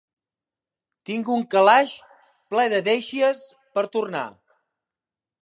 Tinc un calaix ple de deixies per tornar.